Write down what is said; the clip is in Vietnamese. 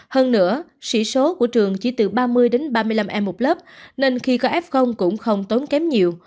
hơn nữa sĩ số của trường chỉ từ ba mươi đến ba mươi năm em một lớp nên khi có f cũng không tốn kém nhiều